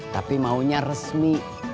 tapi maunya resmi